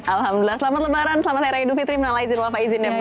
alhamdulillah selamat lebaran selamat hari raya duvitri minalai zin wafa izin ya mbak mika